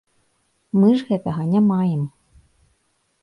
Мы ж гэтага не маем.